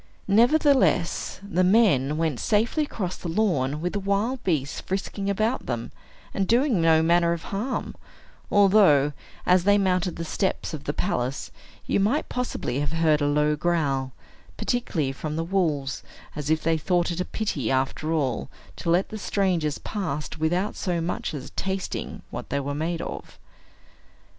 Nevertheless, the men went safely across the lawn with the wild beasts frisking about them, and doing no manner of harm; although, as they mounted the steps of the palace, you might possibly have heard a low growl, particularly from the wolves; as if they thought it a pity, after all, to let the strangers pass without so much as tasting what they were made of.